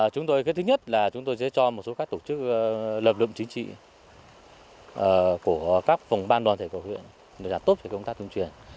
thứ nhất là chúng tôi sẽ cho một số các tổ chức lập lượng chính trị của các phòng ban đoàn thể cầu huyện tốt cho công tác tuyên truyền